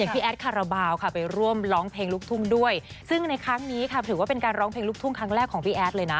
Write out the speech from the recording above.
พี่แอดคาราบาลค่ะไปร่วมร้องเพลงลูกทุ่งด้วยซึ่งในครั้งนี้ค่ะถือว่าเป็นการร้องเพลงลูกทุ่งครั้งแรกของพี่แอดเลยนะ